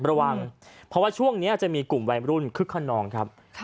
ระวังเพราะว่าช่วงนี้จะมีกลุ่มวัยรุ่นคึกขนองครับ